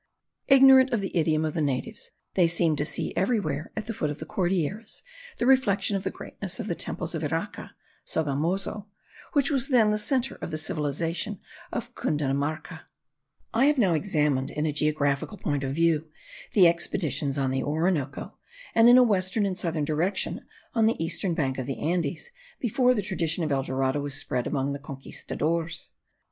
Ignorant of the idiom of the natives, they seemed to see everywhere, at the foot of the Cordilleras, the reflexion of the greatness of the temples of Iraca (Sogamozo), which was then the centre of the civilization of Cundinamarca. I have now examined, in a geographical point of view, the expeditions on the Orinoco, and in a western and southern direction on the eastern back of the Andes, before the tradition of El Dorado was spread among the conquistadores.